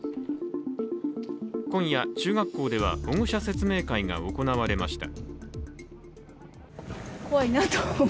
今夜、中学校では保護者説明会が行われました。